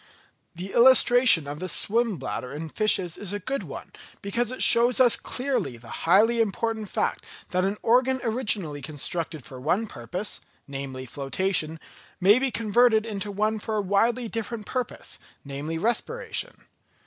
The illustration of the swim bladder in fishes is a good one, because it shows us clearly the highly important fact that an organ originally constructed for one purpose, namely flotation, may be converted into one for a widely different purpose, namely respiration.